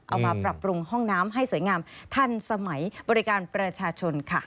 เอามาปรับปรุงห้องน้ำให้สวยงามทันสมัยบริการประชาชนค่ะ